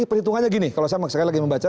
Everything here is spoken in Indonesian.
perhitungannya begini kalau saya lagi membaca